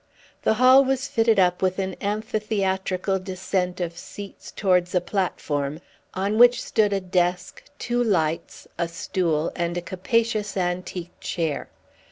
The hall was fitted up with an amphitheatrical descent of seats towards a platform, on which stood a desk, two lights, a stool, and a capacious antique chair.